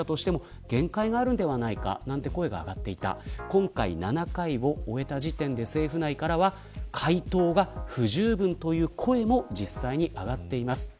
今回７回を終えた時点で政府内からは回答が不十分という声も実際に上がっています。